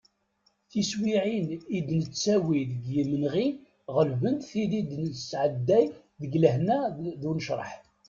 Tiswiɛin i d-nettawi deg yimenɣi ɣelbent tid i d-nesɛedday deg lehna d unecraḥ.